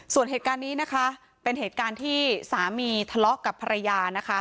ส่วนเหตุการณ์นี้นะคะเป็นเหตุการณ์ที่สามีทะเลาะกับภรรยานะคะ